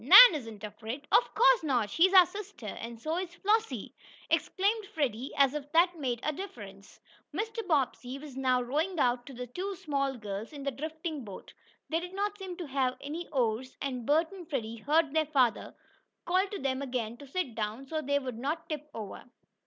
"Nan isn't afraid." "Of course not she's our sister, and so is Flossie!" exclaimed Freddie, as if that made a difference! Mr. Bobbsey was now rowing out to the two small girls in the drifting boat. They did not seem to have any oars, and Bert and Freddie heard their father call to them again to sit down, so they would not tip over.